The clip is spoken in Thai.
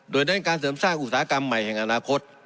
โดยเน้นการเสริมสร้างอุตสาหกรรมใหม่แห่งอนาคต